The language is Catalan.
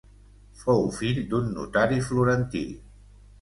Fou fill d'un notari florentí.